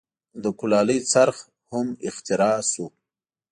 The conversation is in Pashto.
د کولالۍ څرخ هم اختراع شو.